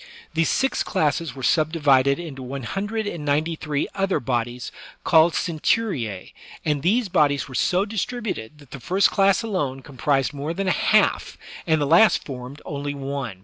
These six classes were subdivided into one hundred and ninety three other bodies called centuria^ and these bodies were so distributed that the first class alone comprised more than a half, and the last formed only one.